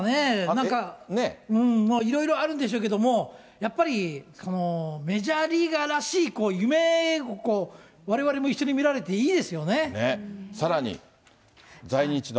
なんか、いろいろあるんでしょうけども、やっぱりメジャーリーガーらしい夢をわれわれも一緒にみられていさらに、在日の。